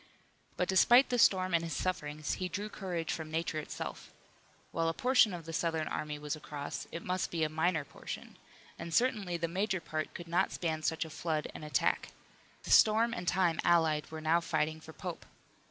But despite the storm and his sufferings, he drew courage from nature itself. While a portion of the Southern army was across it must be a minor portion, and certainly the major part could not span such a flood and attack. The storm and time allied were now fighting for Pope.